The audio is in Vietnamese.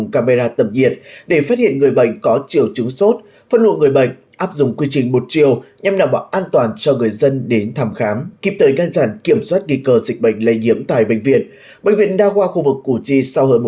các bạn hãy đăng ký kênh để ủng hộ kênh của chúng mình nhé